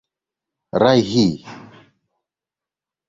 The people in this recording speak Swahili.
ari hii imepewa uzito kutokana na salum kuwa ni mwenye